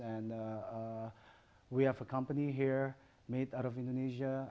kami memiliki perusahaan di sini yang dibuat dari indonesia